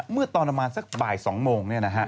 เมื่อตอนประมาณสักบ่าย๒โมง